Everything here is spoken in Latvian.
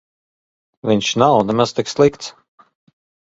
Viņš nav nemaz tik slikts.